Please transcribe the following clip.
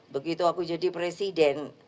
begitu aku jadi presiden